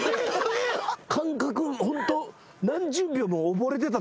感覚ホント。